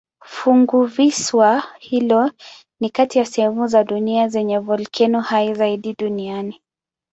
Funguvisiwa hilo ni kati ya sehemu za dunia zenye volkeno hai zaidi duniani.